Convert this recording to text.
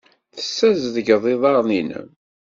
Tessazedgeḍ iḍarren-nnem.